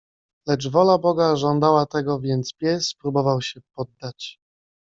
Lecz wola boga żądała tego, więc pies próbował się poddać.